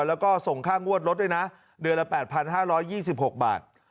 แล้วก็ส่งค่างวดรถด้วยนะเดือนละแปดพันห้าร้อยยี่สิบหกบาท